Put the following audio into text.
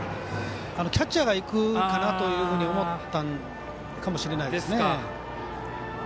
キャッチャーがいくかなというふうに思ったのかもしれないですね。